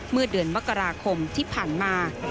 เมื่อเดือนมกราคมที่ผ่านมา